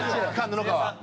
布川。